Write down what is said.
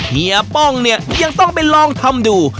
เฮียป้องเนี่ยยังต้องไปลองทำดู